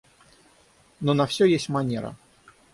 Но на всё есть манера.